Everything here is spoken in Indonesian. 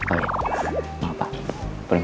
oh iya ya gak apa apa permisi